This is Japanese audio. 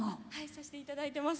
させていただいてます。